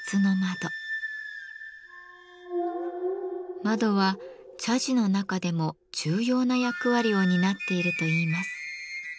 窓は茶事の中でも重要な役割を担っているといいます。